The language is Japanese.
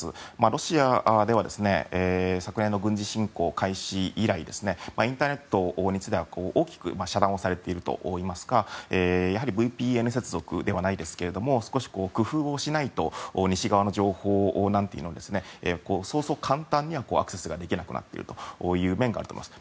ロシアでは昨年の軍事侵攻開始以来インターネットについては大きく遮断されているというかＶＰＮ接続ではないですが少し工夫をしないと西側の情報にはそうそう簡単にはアクセスができなくなっているという面があると思います。